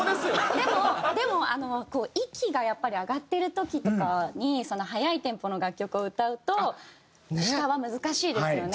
でもでも息がやっぱり上がってる時とかに速いテンポの楽曲を歌うと下は難しいですよね。